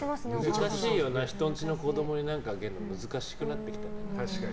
難しいよな、ひとんちの子供に何かあげるの難しくなってきた。